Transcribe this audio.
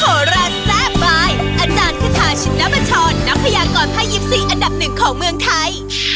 โหราแซ่บลายอาจารย์คาทาชินบัชรนักพยากรภาค๒๔อันดับหนึ่งของเมืองไทย